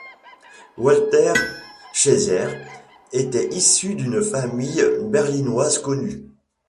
Walther Schwieger était issu d'une famille berlinoise connue.